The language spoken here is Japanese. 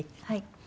はい。